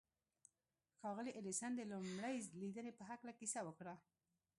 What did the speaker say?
ښاغلي ايډېسن د لومړۍ ليدنې په هکله کيسه وکړه.